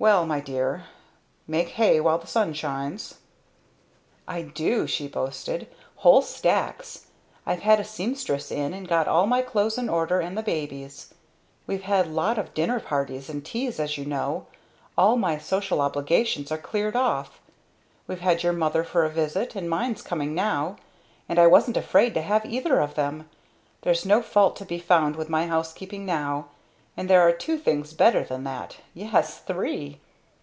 Well, my dear make hay while the sun shines!" "I do!" she boasted. "Whole stacks! I've had a seamstress in, and got all my clothes in order and the baby's. We've had lot of dinner parties and teas as you know all my "social obligations" are cleared off! We've had your mother for a visit, and mine's coming now and I wasn't afraid to have either of them! There's no fault to be found with my housekeeping now! And there are two things better than that yes, three."